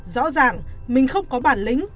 rõ ràng mình không có bản lĩnh